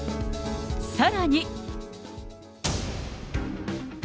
さらに。